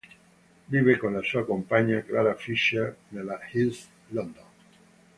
Vive con la sua compagna Clara Fisher nella East London.